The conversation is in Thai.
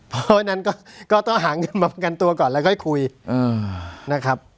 เพราะฉะนั้นก็ต้องหาเงินมาประกันตัวก่อนแล้วค่อยคุยนะครับ